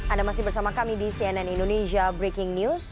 anda masih bersama kami di cnn indonesia breaking news